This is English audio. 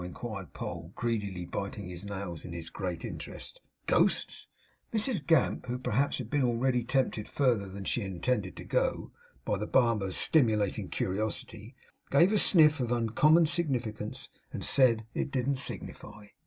inquired Poll, greedily biting his nails in his great interest. 'Ghosts?' Mrs Gamp, who perhaps had been already tempted further than she had intended to go, by the barber's stimulating curiosity, gave a sniff of uncommon significance, and said, it didn't signify.